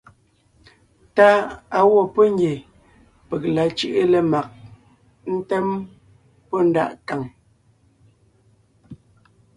Táʼ á wɔ́ pɔ́ ngie peg la cʉ́ʼʉ lemag ńtém pɔ́ ndaʼ nkàŋ.